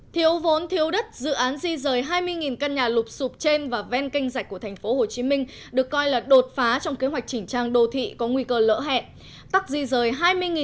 thiếu vốn thiếu đất dự án di rời hai mươi căn nhà lụp sụp trên và ven kênh dạch của tp hcm được coi là đột phá trong kế hoạch chỉnh trang đô thị có nguy cơ lỡ hẹn